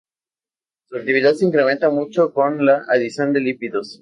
Su actividad se incrementa mucho con la adición de lípidos.